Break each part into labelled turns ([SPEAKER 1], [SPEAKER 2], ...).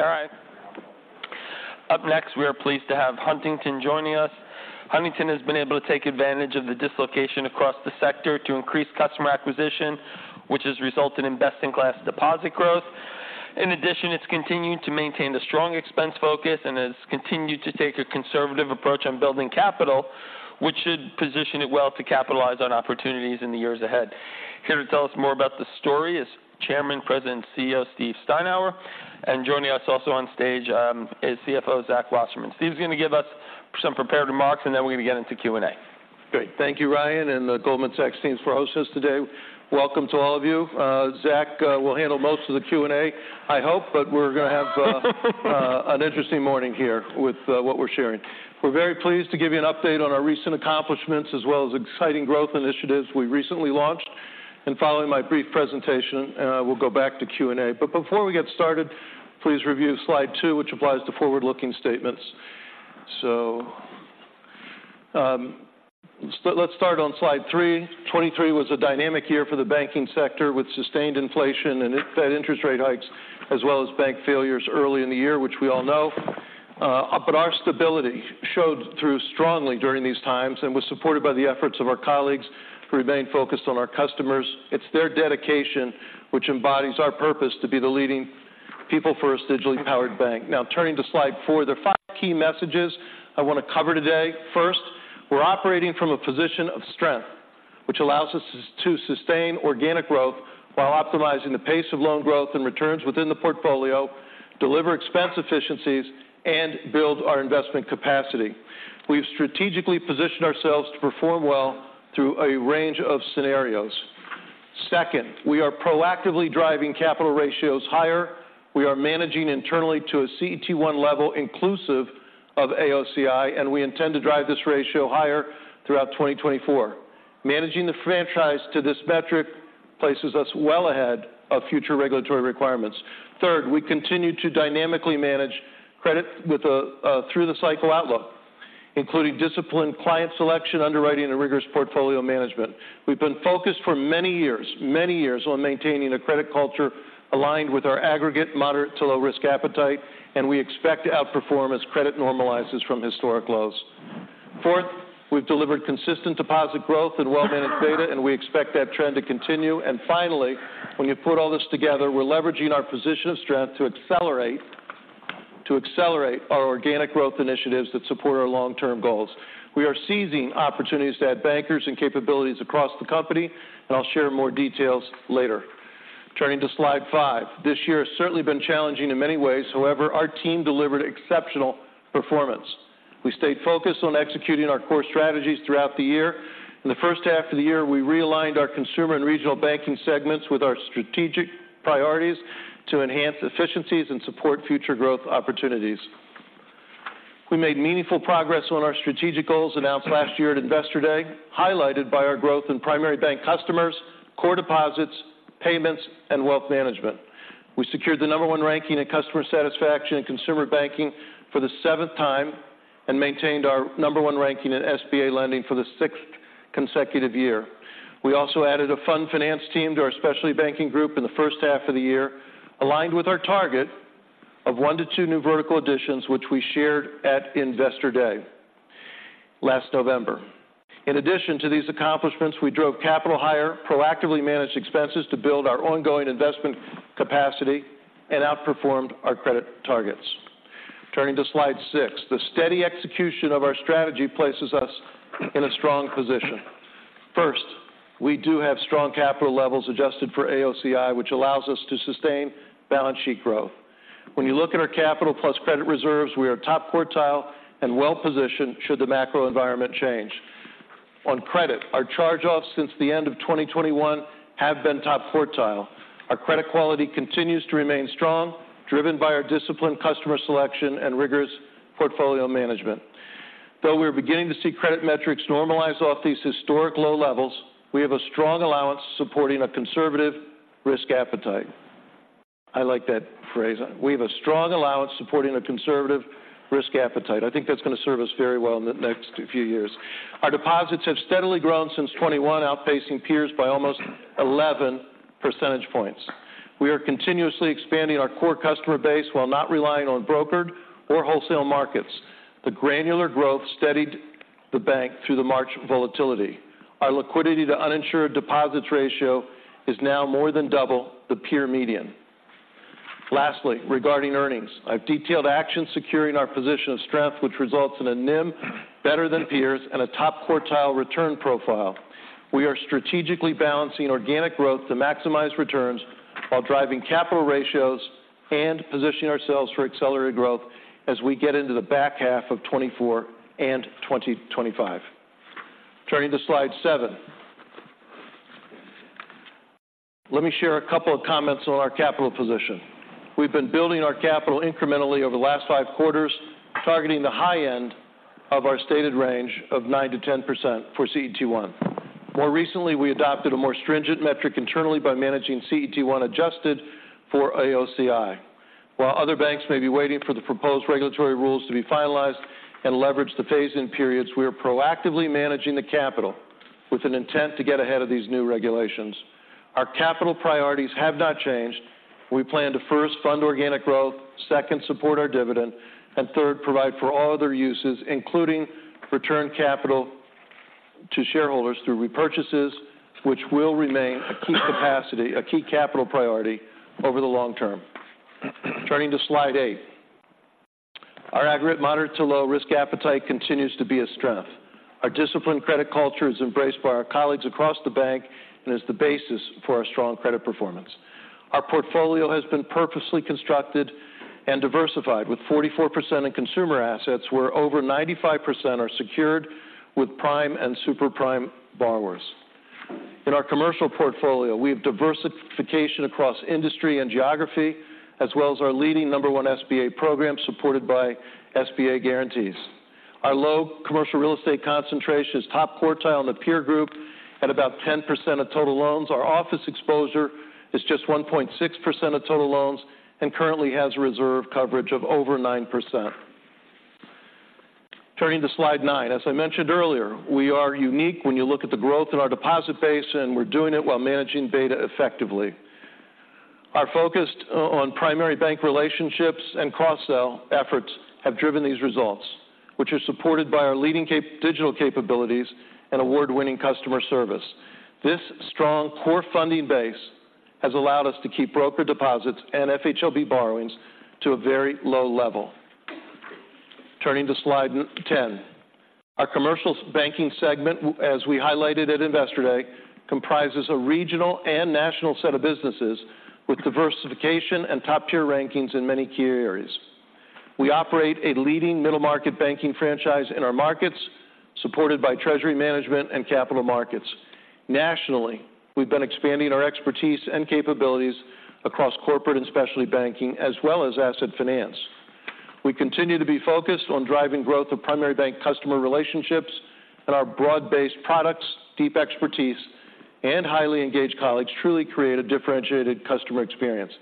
[SPEAKER 1] All right. Up next, we are pleased to have Huntington joining us. Huntington has been able to take advantage of the dislocation across the sector to increase customer acquisition, which has resulted in best-in-class deposit growth. In addition, it's continued to maintain a strong expense focus and has continued to take a conservative approach on building capital, which should position it well to capitalize on opportunities in the years ahead. Here to tell us more about the story is Chairman, President, CEO, Steve Steinour, and joining us also on stage, is CFO Zach Wasserman. Steve's going to give us some prepared remarks, and then we're going to get into Q&A.
[SPEAKER 2] Great. Thank you, Ryan, and the Goldman Sachs teams for hosting us today. Welcome to all of you. Zach will handle most of the Q&A, I hope, but we're going to have an interesting morning here with what we're sharing. We're very pleased to give you an update on our recent accomplishments, as well as exciting growth initiatives we recently launched. And following my brief presentation, we'll go back to Q&A. But before we get started, please review slide two, which applies to forward-looking statements. So, let's start on slide three. 2023 was a dynamic year for the banking sector, with sustained inflation and Fed interest rate hikes, as well as bank failures early in the year, which we all know. But our stability showed through strongly during these times and was supported by the efforts of our colleagues who remained focused on our customers. It's their dedication which embodies our purpose to be the leading people-first digitally powered bank. Now, turning to slide 4, there are 5 key messages I want to cover today. First, we're operating from a position of strength, which allows us to sustain organic growth while optimizing the pace of loan growth and returns within the portfolio, deliver expense efficiencies, and build our investment capacity. We've strategically positioned ourselves to perform well through a range of scenarios. Second, we are proactively driving capital ratios higher. We are managing internally to a CET1 level inclusive of AOCI, and we intend to drive this ratio higher throughout 2024. Managing the franchise to this metric places us well ahead of future regulatory requirements. Third, we continue to dynamically manage credit with a through the cycle outlook, including disciplined client selection, underwriting, and rigorous portfolio management. We've been focused for many years, many years, on maintaining a credit culture aligned with our aggregate moderate to low risk appetite, and we expect to outperform as credit normalizes from historic lows. Fourth, we've delivered consistent deposit growth and well-managed betas, and we expect that trend to continue. And finally, when you put all this together, we're leveraging our position of strength to accelerate, to accelerate our organic growth initiatives that support our long-term goals. We are seizing opportunities to add bankers and capabilities across the company, and I'll share more details later. Turning to slide five. This year has certainly been challenging in many ways. However, our team delivered exceptional performance. We stayed focused on executing our core strategies throughout the year. In the first half of the year, we realigned our consumer and regional banking segments with our strategic priorities to enhance efficiencies and support future growth opportunities. We made meaningful progress on our strategic goals announced last year at Investor Day, highlighted by our growth in primary bank customers, core deposits, payments, and wealth management. We secured the number one ranking in customer satisfaction in consumer banking for the seventh time and maintained our number one ranking in SBA lending for the sixth consecutive year. We also added a Fund Finance team to our specialty banking group in the first half of the year, aligned with our target of 1-2 new vertical additions, which we shared at Investor Day last November. In addition to these accomplishments, we drove capital higher, proactively managed expenses to build our ongoing investment capacity, and outperformed our credit targets. Turning to slide 6, the steady execution of our strategy places us in a strong position. First, we do have strong capital levels adjusted for AOCI, which allows us to sustain balance sheet growth. When you look at our capital plus credit reserves, we are top quartile and well-positioned should the macro environment change. On credit, our charge-offs since the end of 2021 have been top quartile. Our credit quality continues to remain strong, driven by our disciplined customer selection and rigorous portfolio management. Though we are beginning to see credit metrics normalize off these historic low levels, we have a strong allowance supporting a conservative risk appetite. I like that phrase. "We have a strong allowance supporting a conservative risk appetite." I think that's going to serve us very well in the next few years. Our deposits have steadily grown since 2021, outpacing peers by almost 11 percentage points. We are continuously expanding our core customer base while not relying on brokered or wholesale markets. The granular growth steadied the bank through the March volatility. Our liquidity to uninsured deposits ratio is now more than double the peer median. Lastly, regarding earnings, I've detailed actions securing our position of strength, which results in a NIM better than peers and a top-quartile return profile. We are strategically balancing organic growth to maximize returns while driving capital ratios and positioning ourselves for accelerated growth as we get into the back half of 2024 and 2025. Turning to slide 7. Let me share a couple of comments on our capital position. We've been building our capital incrementally over the last 5 quarters, targeting the high end of our stated range of 9%-10% for CET1. More recently, we adopted a more stringent metric internally by managing CET1 adjusted for AOCI. While other banks may be waiting for the proposed regulatory rules to be finalized and leverage the phase-in periods, we are proactively managing the capital with an intent to get ahead of these new regulations. Our capital priorities have not changed. We plan to first fund organic growth, second, support our dividend, and third, provide for all other uses, including return capital to shareholders through repurchases, which will remain a key capacity, a key capital priority over the long term. Turning to Slide 8. Our aggregate moderate to low risk appetite continues to be a strength. Our disciplined credit culture is embraced by our colleagues across the bank and is the basis for our strong credit performance. Our portfolio has been purposely constructed and diversified, with 44% in consumer assets, where over 95% are secured with prime and super prime borrowers. In our commercial portfolio, we have diversification across industry and geography, as well as our leading #1 SBA program, supported by SBA guarantees. Our low commercial real estate concentration is top quartile in the peer group at about 10% of total loans. Our office exposure is just 1.6% of total loans and currently has a reserve coverage of over 9%. Turning to Slide 9. As I mentioned earlier, we are unique when you look at the growth in our deposit base, and we're doing it while managing beta effectively. Our focus on primary bank relationships and cross-sell efforts have driven these results, which are supported by our leading digital capabilities and award-winning customer service. This strong core funding base has allowed us to keep broker deposits and FHLB borrowings to a very low level. Turning to Slide 10. Our commercial banking segment, as we highlighted at Investor Day, comprises a regional and national set of businesses with diversification and top-tier rankings in many key areas. We operate a leading middle-market banking franchise in our markets, supported by treasury management and capital markets. Nationally, we've been expanding our expertise and capabilities across corporate and specialty banking, as well as asset finance. We continue to be focused on driving growth of primary bank customer relationships, and our broad-based products, deep expertise, and highly engaged colleagues truly create a differentiated customer experience.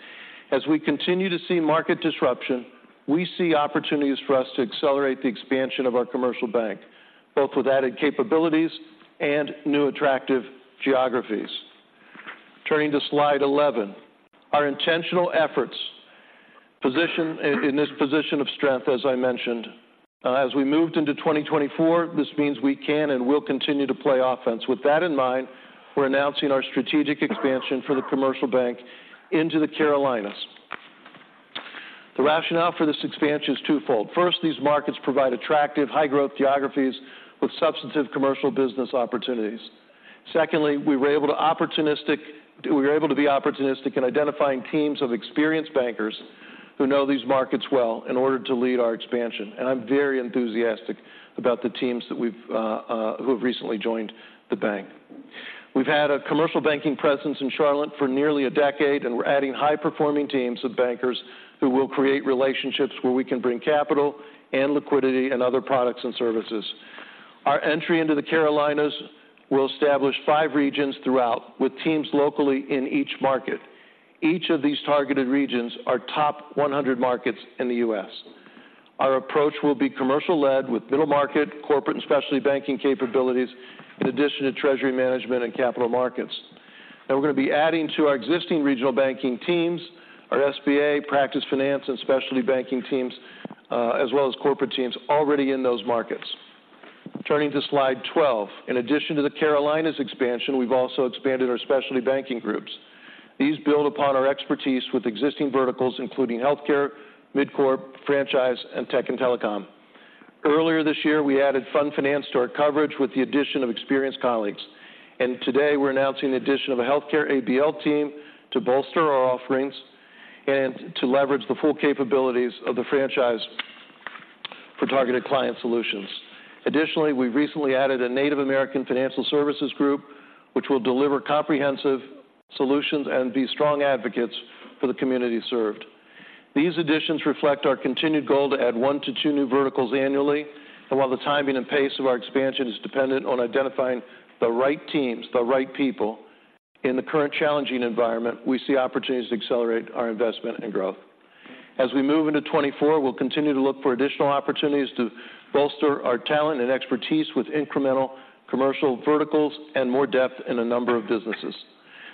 [SPEAKER 2] As we continue to see market disruption, we see opportunities for us to accelerate the expansion of our commercial bank, both with added capabilities and new attractive geographies. Turning to Slide 11. Our intentional efforts position this position of strength, as I mentioned, as we moved into 2024, this means we can and will continue to play offense. With that in mind, we're announcing our strategic expansion for the commercial bank into the Carolinas. The rationale for this expansion is twofold. First, these markets provide attractive, high-growth geographies with substantive commercial business opportunities. Secondly, we were able to be opportunistic in identifying teams of experienced bankers who know these markets well in order to lead our expansion, and I'm very enthusiastic about the teams that we've who have recently joined the bank. We've had a commercial banking presence in Charlotte for nearly a decade, and we're adding high-performing teams of bankers who will create relationships where we can bring capital and liquidity and other products and services. Our entry into the Carolinas will establish five regions throughout, with teams locally in each market. Each of these targeted regions are top 100 markets in the U.S. Our approach will be commercial-led, with middle-market, corporate, and specialty banking capabilities, in addition to treasury management and capital markets. And we're going to be adding to our existing regional banking teams, our SBA, Practice Finance, and specialty banking teams, as well as corporate teams already in those markets. Turning to Slide 12. In addition to the Carolinas expansion, we've also expanded our specialty banking groups. These build upon our expertise with existing verticals including healthcare, Mid-Corp, franchise, and tech and telecom. Earlier this year, we added Fund Finance to our coverage with the addition of experienced colleagues. Today, we're announcing the addition of a Healthcare ABL team to bolster our offerings and to leverage the full capabilities of the franchise for targeted client solutions. Additionally, we recently added a Native American Financial Services group, which will deliver comprehensive solutions and be strong advocates for the community served. These additions reflect our continued goal to add one to two new verticals annually, and while the timing and pace of our expansion is dependent on identifying the right teams, the right people, in the current challenging environment, we see opportunities to accelerate our investment and growth. As we move into 2024, we'll continue to look for additional opportunities to bolster our talent and expertise with incremental commercial verticals and more depth in a number of businesses.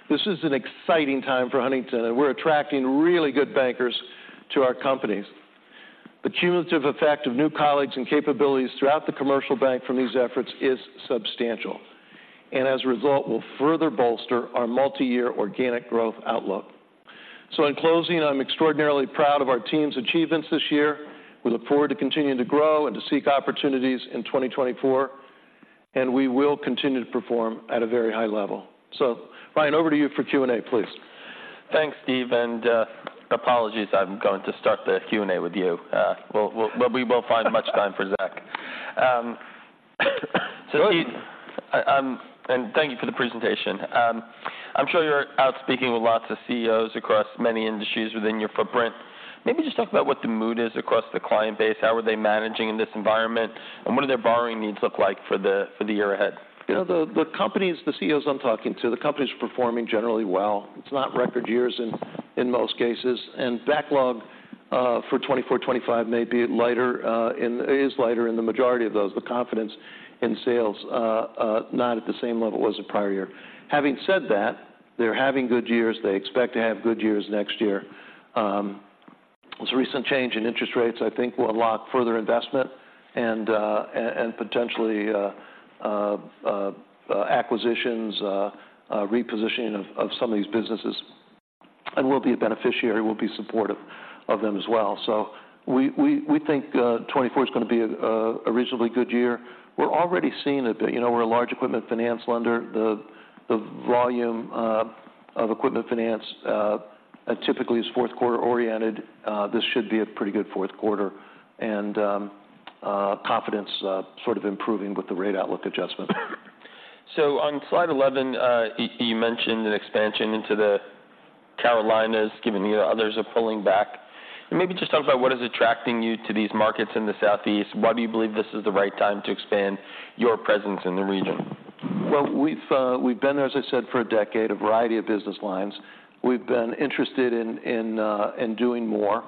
[SPEAKER 2] This is an exciting time for Huntington, and we're attracting really good bankers to our companies. The cumulative effect of new colleagues and capabilities throughout the commercial bank from these efforts is substantial, and as a result, will further bolster our multiyear organic growth outlook. So in closing, I'm extraordinarily proud of our team's achievements this year. We look forward to continuing to grow and to seek opportunities in 2024, and we will continue to perform at a very high level. So Ryan, over to you for Q&A, please.
[SPEAKER 1] Thanks, Steve, and apologies. I'm going to start the Q&A with you. But we will find much time for Zach. Thank you for the presentation. I'm sure you're out speaking with lots of CEOs across many industries within your footprint. Maybe just talk about what the mood is across the client base. How are they managing in this environment, and what do their borrowing needs look like for the year ahead?
[SPEAKER 2] You know, the companies, the CEOs I'm talking to, the companies are performing generally well. It's not record years in most cases, and for 2024, 2025 may be lighter, and is lighter in the majority of those. The confidence in sales not at the same level as the prior year. Having said that, they're having good years. They expect to have good years next year. This recent change in interest rates, I think, will unlock further investment and potentially acquisitions, a repositioning of some of these businesses, and we'll be a beneficiary. We'll be supportive of them as well. So we think 2024 is going to be a reasonably good year. We're already seeing it. You know, we're a large equipment finance lender. The volume of equipment finance typically is fourth quarter-oriented. This should be a pretty good fourth quarter, and confidence sort of improving with the rate outlook adjustment.
[SPEAKER 1] So on slide 11, you mentioned an expansion into the Carolinas, given the others are pulling back. And maybe just talk about what is attracting you to these markets in the Southeast. Why do you believe this is the right time to expand your presence in the region?
[SPEAKER 2] Well, we've been there, as I said, for a decade, a variety of business lines. We've been interested in doing more.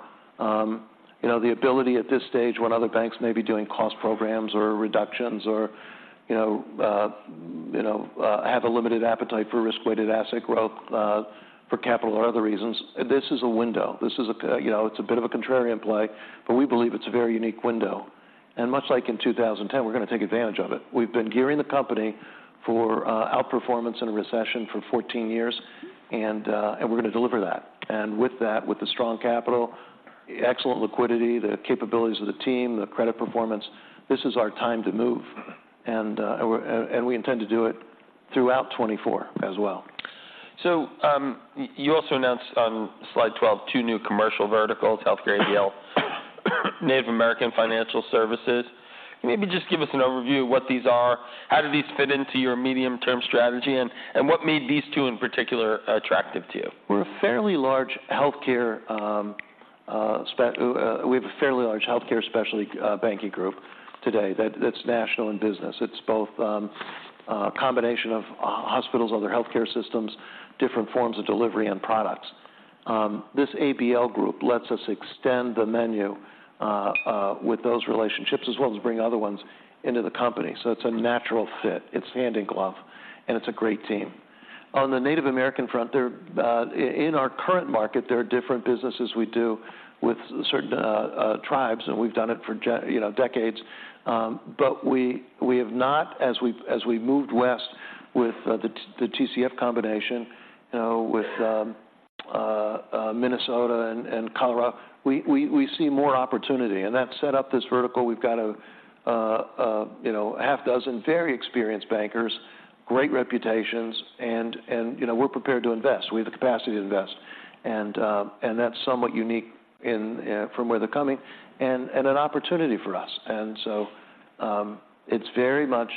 [SPEAKER 2] You know, the ability at this stage when other banks may be doing cost programs or reductions or, you know, have a limited appetite for risk-weighted asset growth, for capital or other reasons, this is a window. This is a, you know, it's a bit of a contrarian play, but we believe it's a very unique window. And much like in 2010, we're going to take advantage of it. We've been gearing the company for outperformance in a recession for 14 years, and we're going to deliver that. And with that, with the strong capital, excellent liquidity, the capabilities of the team, the credit performance, this is our time to move, and we intend to do it throughout 2024 as well.
[SPEAKER 1] You also announced on slide 12, two new commercial verticals, Healthcare ABL, Native American Financial Services. Maybe just give us an overview of what these are, how do these fit into your medium-term strategy, and what made these two, in particular, attractive to you?
[SPEAKER 2] We're a fairly large healthcare specialty banking group today that's national in business. It's both a combination of hospitals, other healthcare systems, different forms of delivery and products. This ABL group lets us extend the menu with those relationships, as well as bring other ones into the company. So it's a natural fit. It's hand in glove, and it's a great team. On the Native American front, there in our current market, there are different businesses we do with certain tribes, and we've done it for, you know, decades. But we have not as we moved west with the TCF combination, you know, with Minnesota and Colorado, we see more opportunity, and that set up this vertical. We've got, you know, 6 very experienced bankers, great reputations, and you know, we're prepared to invest. We have the capacity to invest, and that's somewhat unique in from where they're coming and an opportunity for us. And so it's very much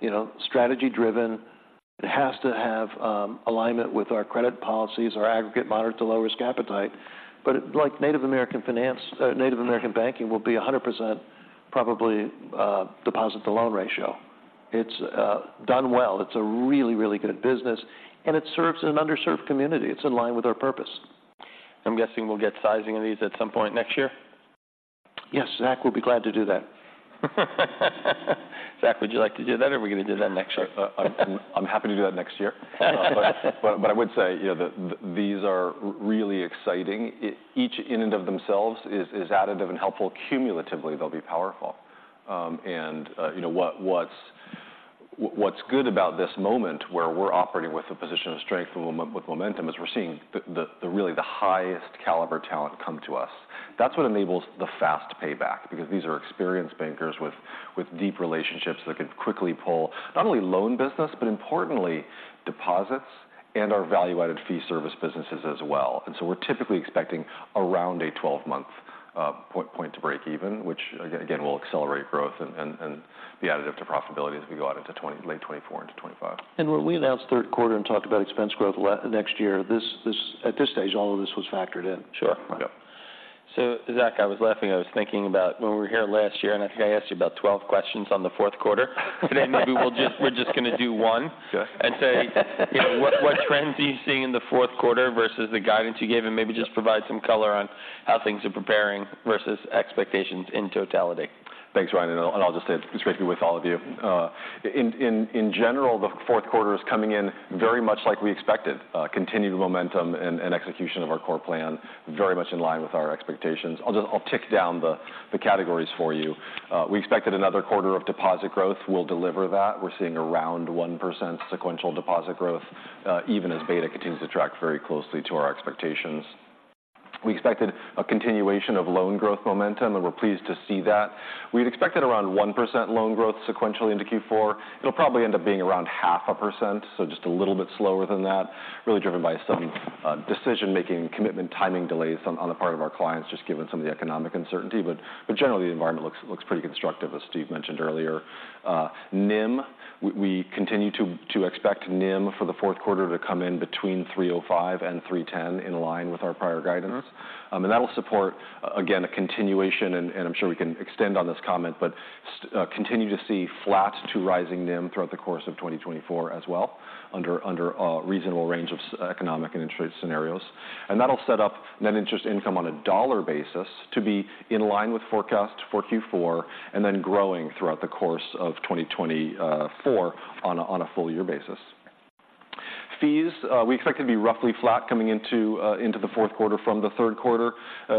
[SPEAKER 2] you know, strategy-driven. It has to have alignment with our credit policies, our aggregate moderate-to-low-risk appetite. But like Native American Finance, Native American banking will be 100% probably deposit to loan ratio. It's done well. It's a really, really good business, and it serves an underserved community. It's in line with our purpose.
[SPEAKER 1] I'm guessing we'll get sizing of these at some point next year?
[SPEAKER 2] Yes, Zach, we'll be glad to do that.
[SPEAKER 1] Zach, would you like to do that, or are we going to do that next year?
[SPEAKER 3] I'm happy to do that next year. But I would say, you know, that these are really exciting. Each in and of themselves is additive and helpful. Cumulatively, they'll be powerful. And you know what's good about this moment, where we're operating with a position of strength, with momentum, is we're seeing the really the highest caliber talent come to us. That's what enables the fast payback because these are experienced bankers with deep relationships that can quickly pull not only loan business, but importantly, deposits and our value-added fee service businesses as well. And so we're typically expecting around a 12-month point to break even, which again, will accelerate growth and be additive to profitability as we go out into late 2024 into 2025.
[SPEAKER 2] When we announced third quarter and talked about expense growth next year, this, this, at this stage, all of this was factored in.
[SPEAKER 3] Sure. Yep.
[SPEAKER 1] So Zach, I was laughing. I was thinking about when we were here last year, and I think I asked you about 12 questions on the fourth quarter. Today, maybe we'll just-- we're just going to do one-
[SPEAKER 3] Sure.
[SPEAKER 1] and say, you know, what, what trends are you seeing in the fourth quarter versus the guidance you gave? And maybe just provide some color on how things are preparing versus expectations in totality.
[SPEAKER 3] Thanks, Ryan, and I'll just say, it's great to be with all of you. In general, the fourth quarter is coming in very much like we expected. Continued momentum and execution of our core plan, very much in line with our expectations. I'll just tick down the categories for you. We expected another quarter of deposit growth. We'll deliver that. We're seeing around 1% sequential deposit growth, even as beta continues to track very closely to our expectations. We expected a continuation of loan growth momentum, and we're pleased to see that. We'd expected around 1% loan growth sequentially into Q4. It'll probably end up being around 0.5%, so just a little bit slower than that, really driven by some decision-making, commitment, timing delays on the part of our clients, just given some of the economic uncertainty. But generally, the environment looks pretty constructive, as Steve mentioned earlier. NIM, we continue to expect NIM for the fourth quarter to come in between 3.05% and 3.10%, in line with our prior guidance. And that will support, again, a continuation, and I'm sure we can extend on this comment, but continue to see flat to rising NIM throughout the course of 2024 as well, under a reasonable range of economic and interest rate scenarios. That'll set up net interest income on a dollar basis to be in line with forecast for Q4, and then growing throughout the course of 2024 on a full year basis. Fees, we expect it to be roughly flat coming into the fourth quarter from the third quarter.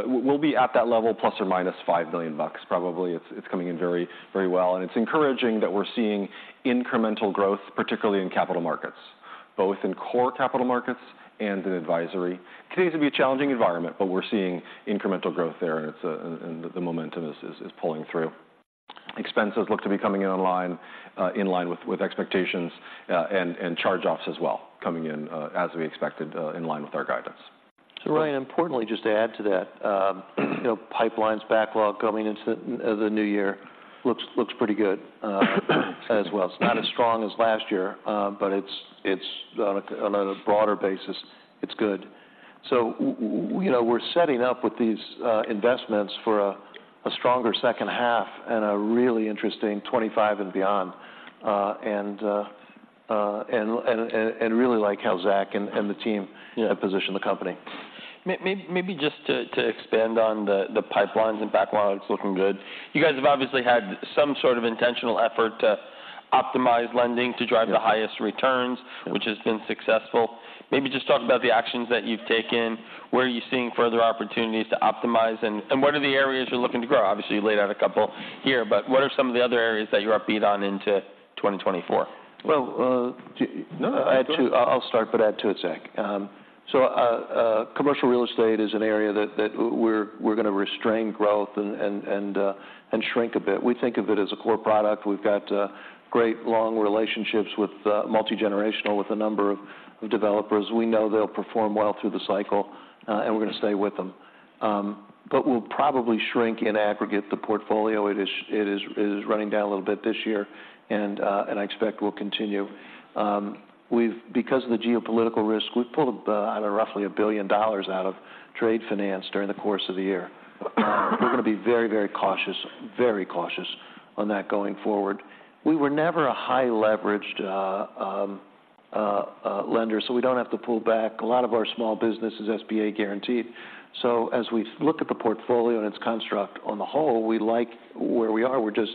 [SPEAKER 3] We'll be at that level, ±$5 million, probably. It's coming in very, very well, and it's encouraging that we're seeing incremental growth, particularly in capital markets, both in core capital markets and in advisory. Continues to be a challenging environment, but we're seeing incremental growth there, and the momentum is pulling through. Expenses look to be coming in on line, in line with expectations, and charge-offs as well, coming in as we expected, in line with our guidance.
[SPEAKER 2] So Ryan, importantly, just to add to that, you know, pipelines backlog coming into the new year looks pretty good as well. It's not as strong as last year, but it's on a broader basis, it's good. So we, you know, we're setting up with these investments for a stronger second half and a really interesting 2025 and beyond. And really like how Zach and the team-
[SPEAKER 3] Yeah
[SPEAKER 2] have positioned the company.
[SPEAKER 1] Maybe just to expand on the pipelines and backlogs looking good. You guys have obviously had some sort of intentional effort to optimize lending-
[SPEAKER 2] Yeah
[SPEAKER 1] to drive the highest returns, which has been successful. Maybe just talk about the actions that you've taken. Where are you seeing further opportunities to optimize, and what are the areas you're looking to grow? Obviously, you laid out a couple here, but what are some of the other areas that you are upbeat on into 2024?
[SPEAKER 2] Well,
[SPEAKER 3] No, go ahead.
[SPEAKER 2] I'll start, but add to it, Zach. So, commercial real estate is an area that we're gonna restrain growth and shrink a bit. We think of it as a core product. We've got great long relationships with multigenerational with a number of developers. We know they'll perform well through the cycle, and we're gonna stay with them. But we'll probably shrink in aggregate the portfolio. It is running down a little bit this year, and I expect will continue. We've, because of the geopolitical risk, we've pulled roughly $1 billion out of trade finance during the course of the year. We're gonna be very, very cautious, very cautious on that going forward. We were never a high-leveraged lender, so we don't have to pull back. A lot of our small business is SBA guaranteed. So as we've looked at the portfolio and its construct on the whole, we like where we are. We're just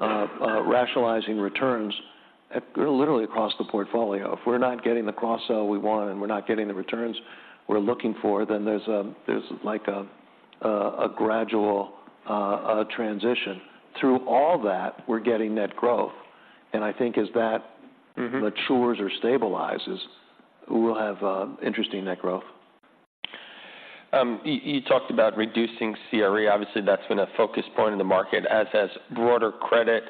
[SPEAKER 2] rationalizing returns at literally across the portfolio. If we're not getting the cross-sell we want and we're not getting the returns we're looking for, then there's a, there's like a gradual transition. Through all that, we're getting net growth, and I think as that-
[SPEAKER 1] Mm-hmm
[SPEAKER 2] matures or stabilizes, we'll have interesting net growth.
[SPEAKER 1] You talked about reducing CRE. Obviously, that's been a focus point in the market, as has broader credit.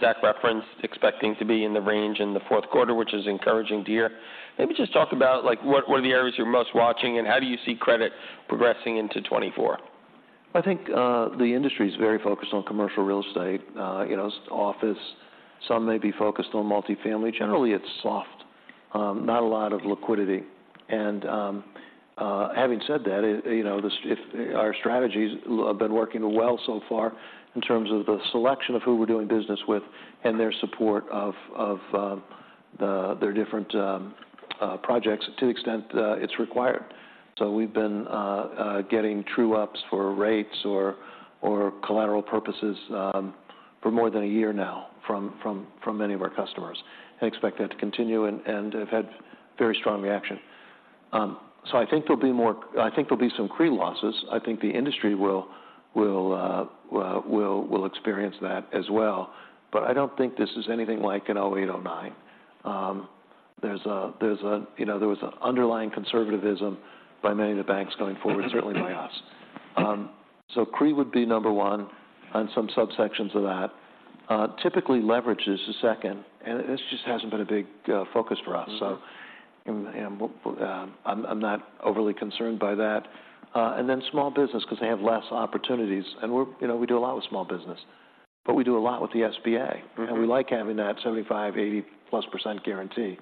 [SPEAKER 1] Zach referenced expecting to be in the range in the fourth quarter, which is encouraging to hear. Maybe just talk about, like, what are the areas you're most watching, and how do you see credit progressing into 2024?
[SPEAKER 2] I think, the industry is very focused on commercial real estate, you know, office. Some may be focused on multifamily. Generally, it's soft. Not a lot of liquidity. Having said that, you know, this, if our strategies have been working well so far in terms of the selection of who we're doing business with and their support of their different projects to the extent it's required. So we've been getting true ups for rates or collateral purposes, for more than a year now from many of our customers and expect that to continue and have had very strong reaction. So I think there'll be more—I think there'll be some CRE losses. I think the industry will experience that as well, but I don't think this is anything like in 2008, 2009. You know, there was an underlying conservatism by many of the banks going forward, certainly by us. So CRE would be number one, and some subsections of that. Typically, leverage is the second, and this just hasn't been a big focus for us.
[SPEAKER 1] Mm-hmm.
[SPEAKER 2] So, I'm not overly concerned by that. And then small business, 'cause they have less opportunities. And we're, you know, we do a lot with small business, but we do a lot with the SBA.
[SPEAKER 1] Mm-hmm.
[SPEAKER 2] We like having that 75-80+% guarantee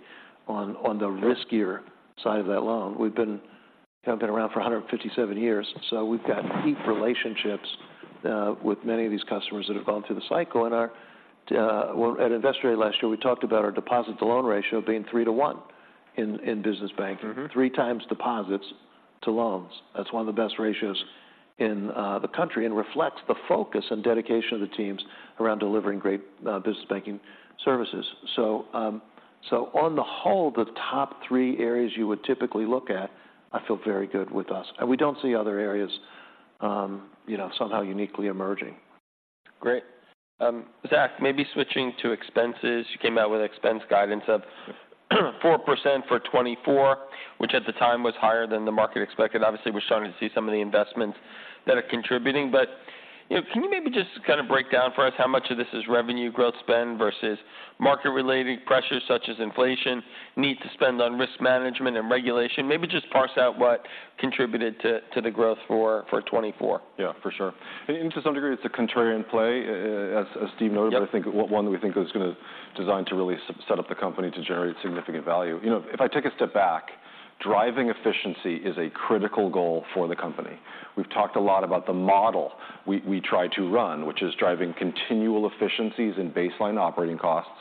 [SPEAKER 2] on the riskier side of that loan. We've been around for 157 years, so we've got deep relationships with many of these customers that have gone through the cycle. Our... Well, at Investor Day last year, we talked about our deposit-to-loan ratio being 3-to-1 in business banking.
[SPEAKER 1] Mm-hmm.
[SPEAKER 2] 3 times deposits to loans. That's one of the best ratios in the country and reflects the focus and dedication of the teams around delivering great business banking services. So on the whole, the top 3 areas you would typically look at, I feel very good with us. And we don't see other areas, you know, somehow uniquely emerging.
[SPEAKER 1] Great. Zach, maybe switching to expenses. You came out with expense guidance of 4% for 2024, which at the time was higher than the market expected. Obviously, we're starting to see some of the investments that are contributing, but, you know, can you maybe just kind of break down for us how much of this is revenue growth spend versus market-related pressures, such as inflation, need to spend on risk management and regulation? Maybe just parse out what contributed to the growth for 2024.
[SPEAKER 3] Yeah, for sure. And to some degree, it's a contrarian play, as Steve noted-
[SPEAKER 1] Yep...
[SPEAKER 3] but I think, one that we think is gonna designed to really set up the company to generate significant value. You know, if I take a step back, driving efficiency is a critical goal for the company. We've talked a lot about the model we try to run, which is driving continual efficiencies and baseline operating costs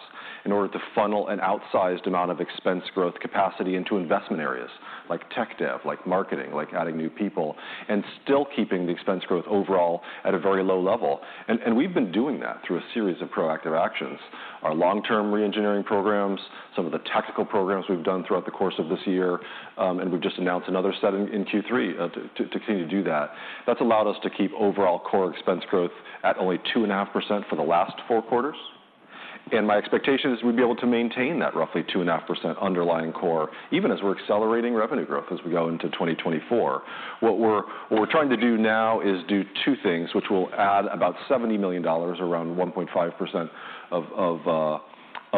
[SPEAKER 3] in order to funnel an outsized amount of expense growth capacity into investment areas like tech dev, like marketing, like adding new people, and still keeping the expense growth overall at a very low level. And we've been doing that through a series of proactive actions. Our long-term reengineering programs, some of the tactical programs we've done throughout the course of this year, and we've just announced another set in Q3 to continue to do that. That's allowed us to keep overall core expense growth at only 2.5% for the last four quarters. My expectation is we'll be able to maintain that roughly 2.5% underlying core, even as we're accelerating revenue growth as we go into 2024. What we're trying to do now is do two things, which will add about $70 million, around 1.5% of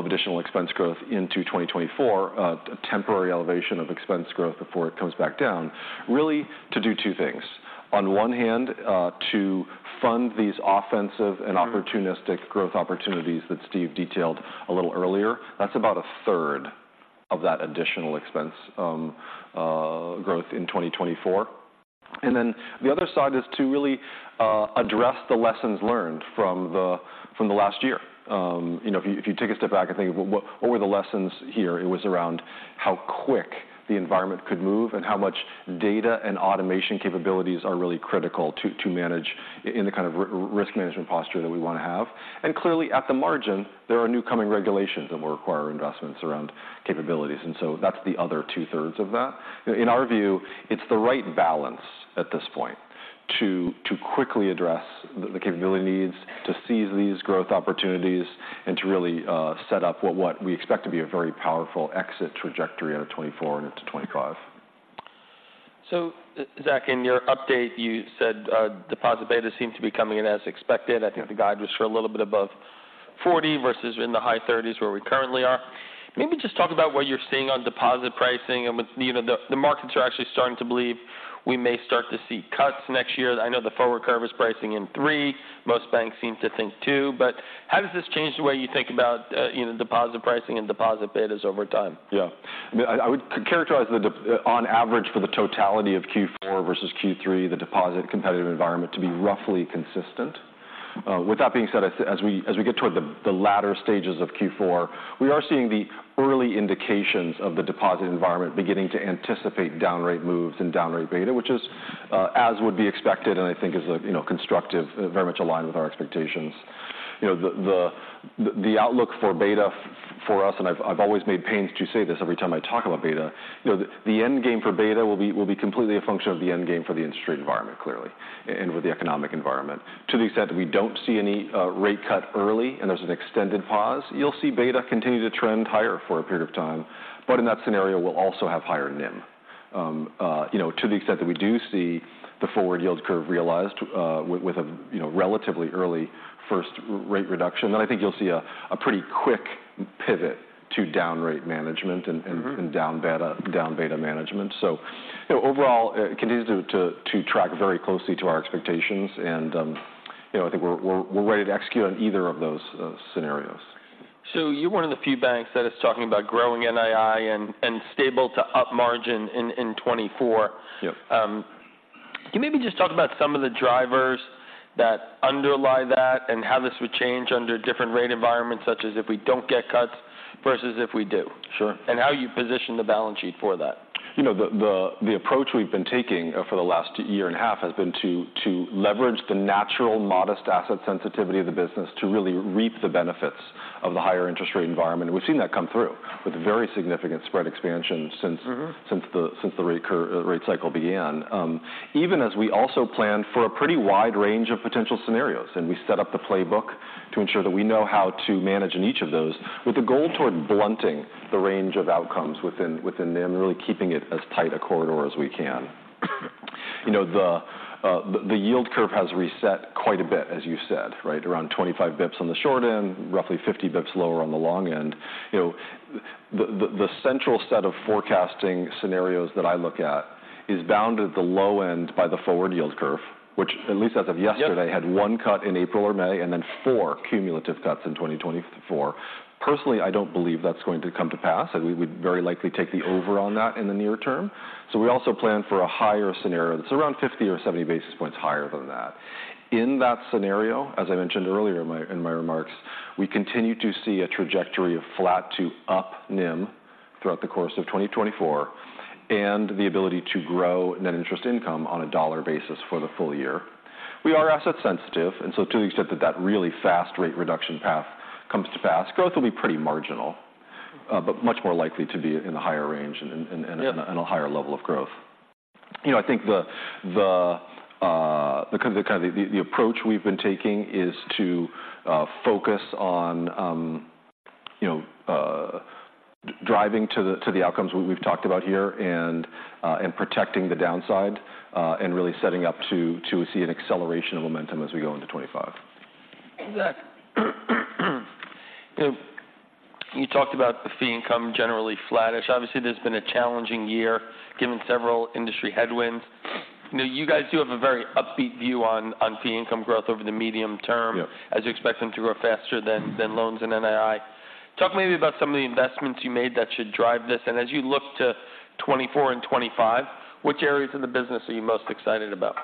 [SPEAKER 3] additional expense growth into 2024, a temporary elevation of expense growth before it comes back down, really, to do two things. On one hand, to fund these offensive and opportunistic growth opportunities that Steve detailed a little earlier. That's about a third of that additional expense growth in 2024. And then the other side is to really address the lessons learned from the, from the last year. You know, if you, if you take a step back and think of what, what were the lessons here? It was around how quick the environment could move and how much data and automation capabilities are really critical to manage in the kind of risk management posture that we want to have. And clearly, at the margin, there are new coming regulations that will require investments around capabilities, and so that's the other two-thirds of that. In our view, it's the right balance at this point to quickly address the capability needs, to seize these growth opportunities, and to really set up what we expect to be a very powerful exit trajectory out of 2024 and into 2025.
[SPEAKER 1] So Zach, in your update, you said deposit betas seem to be coming in as expected. I think the guide was for a little bit above 40 versus in the high 30s, where we currently are. Maybe just talk about what you're seeing on deposit pricing, and with, you know, the markets are actually starting to believe we may start to see cuts next year. I know the forward curve is pricing in 3. Most banks seem to think 2. But how does this change the way you think about, you know, deposit pricing and deposit betas over time?
[SPEAKER 3] Yeah. I mean, I would characterize the de- on average for the totality of Q4 versus Q3, the deposit competitive environment to be roughly consistent. With that being said, as we get toward the latter stages of Q4, we are seeing the early indications of the deposit environment beginning to anticipate down rate moves and down rate beta, which is, as would be expected, and I think is a, you know, constructive, very much aligned with our expectations. You know, the outlook for beta for us, and I've always made pains to say this every time I talk about beta, you know, the end game for beta will be completely a function of the end game for the industry environment, clearly, and with the economic environment. To the extent that we don't see any rate cut early, and there's an extended pause, you'll see beta continue to trend higher for a period of time, but in that scenario, we'll also have higher NIM. You know, to the extent that we do see the forward yield curve realized, with a, you know, relatively early first rate reduction, then I think you'll see a pretty quick pivot to down rate management and, and-
[SPEAKER 1] Mm-hmm...
[SPEAKER 3] and down beta, down beta management. So you know, overall, it continues to track very closely to our expectations, and, you know, I think we're ready to execute on either of those scenarios.
[SPEAKER 1] So you're one of the few banks that is talking about growing NII and stable to up margin in 2024.
[SPEAKER 3] Yes.
[SPEAKER 1] Can you maybe just talk about some of the drivers that underlie that and how this would change under different rate environments, such as if we don't get cuts versus if we do?
[SPEAKER 3] Sure.
[SPEAKER 1] How you position the balance sheet for that.
[SPEAKER 3] You know, the approach we've been taking for the last year and a half has been to leverage the natural, modest asset sensitivity of the business to really reap the benefits of the higher interest rate environment. We've seen that come through with very significant spread expansion since-
[SPEAKER 1] Mm-hmm...
[SPEAKER 3] since the rate cycle began. Even as we also plan for a pretty wide range of potential scenarios, and we set up the playbook to ensure that we know how to manage in each of those, with the goal toward blunting the range of outcomes within them, and really keeping it as tight a corridor as we can. You know, the yield curve has reset quite a bit, as you said, right? Around 25 basis points on the short end, roughly 50 basis points lower on the long end. You know, the central set of forecasting scenarios that I look at is bound at the low end by the forward yield curve, which at least as of yesterday-
[SPEAKER 1] Yep...
[SPEAKER 3] had one cut in April or May, and then four cumulative cuts in 2024. Personally, I don't believe that's going to come to pass, and we would very likely take the over on that in the near term. So we also plan for a higher scenario that's around 50 or 70 basis points higher than that. In that scenario, as I mentioned earlier in my, in my remarks, we continue to see a trajectory of flat to up NIM throughout the course of 2024, and the ability to grow net interest income on a dollar basis for the full year. We are asset sensitive, and so to the extent that that really fast rate reduction path comes to pass, growth will be pretty marginal, but much more likely to be in a higher range and-
[SPEAKER 1] Yeah...
[SPEAKER 3] and a higher level of growth. You know, I think the kind of approach we've been taking is to focus on, you know, driving to the outcomes we've talked about here and protecting the downside, and really setting up to see an acceleration of momentum as we go into 2025.
[SPEAKER 1] Zach, you know, you talked about the fee income generally flattish. Obviously, there's been a challenging year, given several industry headwinds. You know, you guys do have a very upbeat view on fee income growth over the medium term.
[SPEAKER 3] Yeah...
[SPEAKER 1] as you expect them to grow faster than loans and NII. Talk maybe about some of the investments you made that should drive this, and as you look to 2024 and 2025, which areas of the business are you most excited about?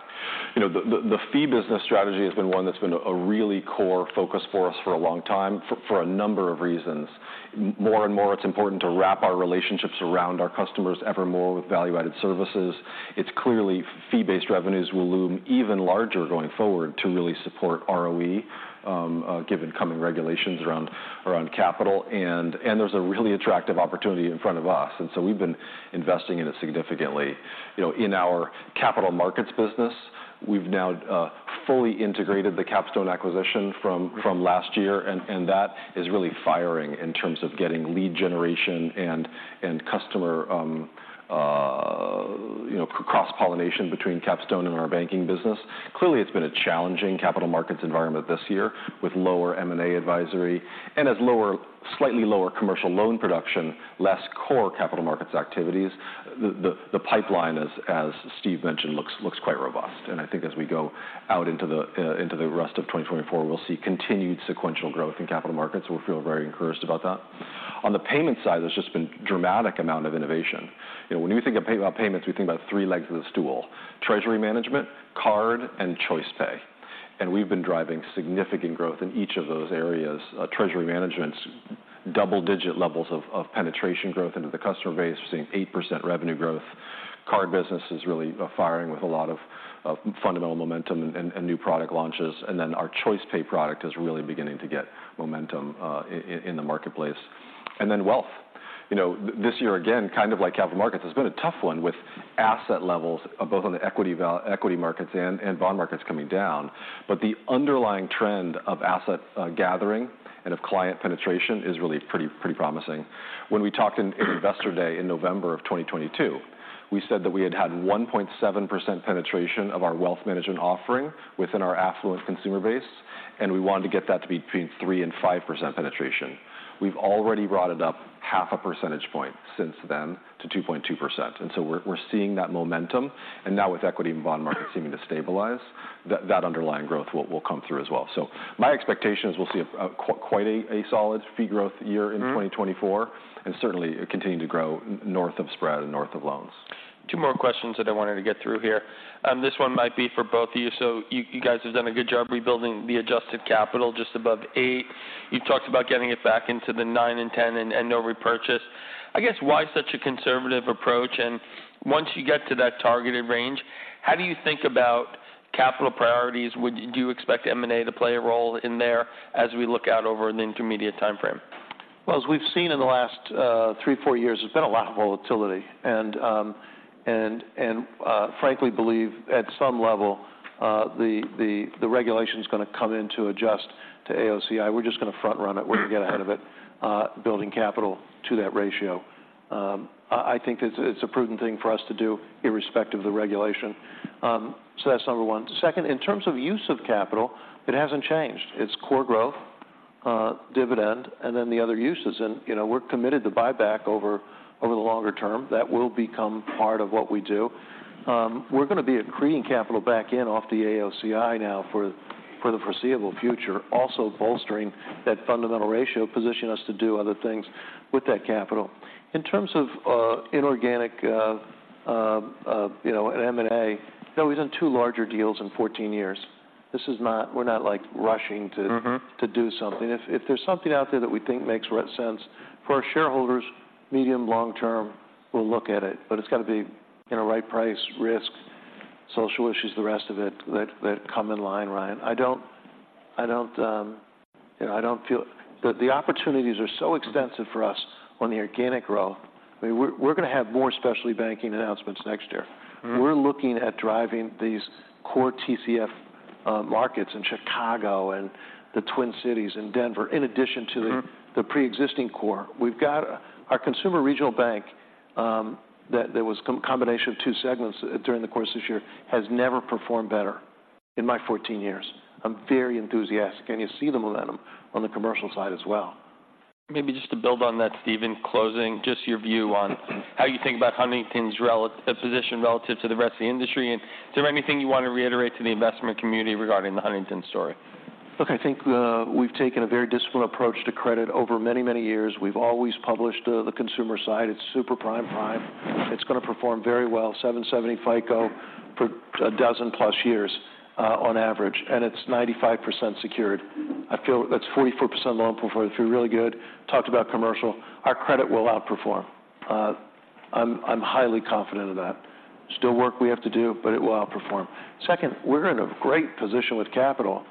[SPEAKER 3] You know, the fee business strategy has been one that's been a really core focus for us for a long time, for a number of reasons. More and more, it's important to wrap our relationships around our customers ever more with value-added services. It's clearly fee-based revenues will loom even larger going forward to really support ROE, given coming regulations around capital. And there's a really attractive opportunity in front of us, and so we've been investing in it significantly. You know, in our capital markets business, we've now fully integrated the Capstone acquisition from last year, and that is really firing in terms of getting lead generation and customer, you know, cross-pollination between Capstone and our banking business. Clearly, it's been a challenging capital markets environment this year, with lower M&A advisory and slightly lower commercial loan production, less core capital markets activities. The pipeline as Steve mentioned looks quite robust, and I think as we go out into the rest of 2024, we'll see continued sequential growth in capital markets. We feel very encouraged about that. On the payment side, there's just been a dramatic amount of innovation. You know, when we think about payments, we think about three legs of the stool: treasury management, card, and ChoicePay. We've been driving significant growth in each of those areas. Treasury management's double-digit levels of penetration growth into the customer base. We're seeing 8% revenue growth. Card business is really firing with a lot of fundamental momentum and new product launches. And then our ChoicePay product is really beginning to get momentum in the marketplace. And then Wealth. You know, this year, again, kind of like capital markets, has been a tough one with asset levels both on the equity markets and bond markets coming down. But the underlying trend of asset gathering and of client penetration is really pretty promising. When we talked in Investor Day in November of 2022, we said that we had had 1.7% penetration of our wealth management offering within our affluent consumer base, and we wanted to get that to be between 3% and 5% penetration. We've already brought it up half a percentage point since then, to 2.2%, and so we're seeing that momentum. And now with equity and bond markets seeming to stabilize, that underlying growth will come through as well. So my expectation is we'll see quite a solid fee growth year in 2024, and certainly it continuing to grow north of spread and north of loans.
[SPEAKER 1] Two more questions that I wanted to get through here. This one might be for both of you. So you, you guys have done a good job rebuilding the adjusted capital just above 8. You talked about getting it back into the 9 and 10 and no repurchase. I guess, why such a conservative approach? And once you get to that targeted range, how do you think about capital priorities? Would you expect M&A to play a role in there as we look out over an intermediate time frame?
[SPEAKER 2] Well, as we've seen in the last 3, 4 years, there's been a lot of volatility. Frankly believe at some level, the regulation's gonna come in to adjust to AOCI. We're just gonna front run it. We're gonna get ahead of it, building capital to that ratio. I think it's a prudent thing for us to do irrespective of the regulation. So that's number one. Second, in terms of use of capital, it hasn't changed. It's core growth, dividend, and then the other uses and, you know, we're committed to buyback over the longer term. That will become part of what we do. We're gonna be accreting capital back in off the AOCI now for the foreseeable future. Also, bolstering that fundamental ratio, position us to do other things with that capital. In terms of inorganic, you know, M&A, you know, we've done two larger deals in 14 years. This is not - We're not, like, rushing to-
[SPEAKER 1] Mm-hmm...
[SPEAKER 2] to do something. If there's something out there that we think makes sense for our shareholders, medium, long term, we'll look at it, but it's got to be, you know, right price, risk, social issues, the rest of it, that come in line, Ryan. I don't, I don't, you know, I don't feel... The opportunities are so extensive for us on the organic growth. I mean, we're, we're gonna have more specialty banking announcements next year.
[SPEAKER 1] Mm-hmm.
[SPEAKER 2] We're looking at driving these core TCF markets in Chicago and the Twin Cities and Denver, in addition to-
[SPEAKER 1] Mm-hmm...
[SPEAKER 2] the pre-existing core. We've got our consumer regional bank, that there was combination of two segments during the course of this year, has never performed better in my 14 years. I'm very enthusiastic, and you see the momentum on the commercial side as well.
[SPEAKER 1] Maybe just to build on that, Steve, in closing, just your view on how you think about Huntington's relative position relative to the rest of the industry, and is there anything you want to reiterate to the investment community regarding the Huntington story?
[SPEAKER 2] Look, I think, we've taken a very disciplined approach to credit over many, many years. We've always published the consumer side. It's super prime, prime. It's gonna perform very well, 770 FICO for 12+ years on average, and it's 95% secured. I feel that's 44% loan performance feel really good. Talked about commercial. Our credit will outperform. I'm highly confident of that. Still work we have to do, but it will outperform. Second, we're in a great position with capital,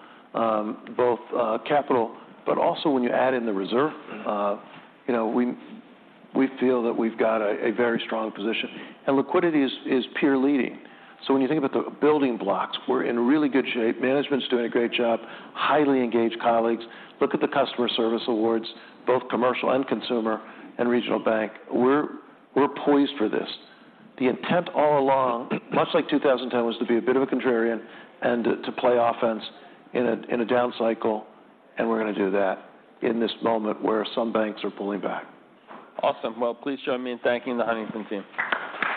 [SPEAKER 2] both capital, but also when you add in the reserve. You know, we feel that we've got a very strong position, and liquidity is peer leading. So when you think about the building blocks, we're in really good shape. Management's doing a great job, highly engaged colleagues. Look at the customer service awards, both commercial and consumer and regional bank. We're, we're poised for this. The intent all along, much like 2010, was to be a bit of a contrarian and to play offense in a, in a down cycle, and we're gonna do that in this moment where some banks are pulling back.
[SPEAKER 1] Awesome. Well, please join me in thanking the Huntington team.